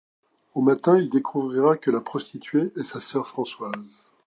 Au matin, il découvrira que la prostituée est sa sœur Françoise.